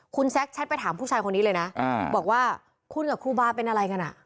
คุณแซคแชทไปถามผู้ชายคนนี้เลยนะบอกว่าคุณกับครูบาเป็นอะไรกันอ่ะ